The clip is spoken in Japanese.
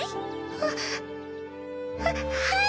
あっはい。